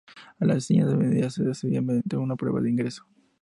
A las enseñanzas medias se accedía mediante una prueba de ingreso.